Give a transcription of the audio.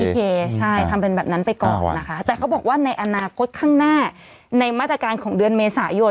ใช่ทำเป็นแบบนั้นไปก่อนนะคะแต่เขาบอกว่าในอนาคตข้างหน้าในมาตรการของเดือนเมษายน